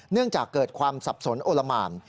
เนื่องจากเกิดความสับสนโอละหมาน